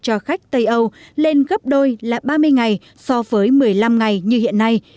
cho khách tây âu lên gấp đôi là ba mươi ngày so với một mươi năm ngày như hiện nay